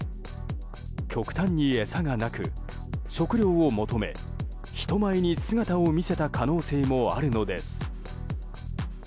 極端に餌がなく、食料を求め人前に姿を見せた可能性もあるのです。